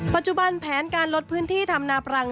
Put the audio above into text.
ปัจจุบันแผนการลดพื้นที่ทำนาปรัง